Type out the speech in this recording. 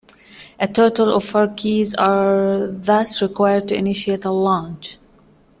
A total of four keys are thus required to initiate a launch.